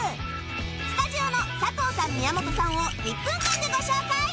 スタジオの佐藤さん、宮本さんを１分間でご紹介。